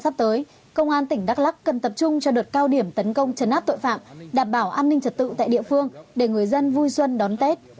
sắp tới công an tỉnh đắk lắc cần tập trung cho đợt cao điểm tấn công chấn áp tội phạm đảm bảo an ninh trật tự tại địa phương để người dân vui xuân đón tết